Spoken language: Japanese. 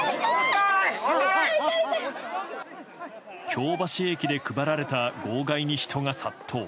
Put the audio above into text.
京橋駅で配られた号外に人が殺到。